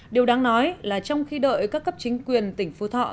điều đáng nói là trong khi đợi các cấp chính quyền tỉnh phú thọ